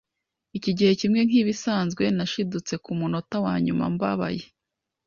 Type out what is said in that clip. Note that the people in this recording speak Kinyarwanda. Iki gihe kimwe nkibisanzwe, nashidutse kumunota wanyuma mbabaye.